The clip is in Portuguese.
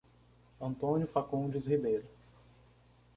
Antônio Facundes Ribeiro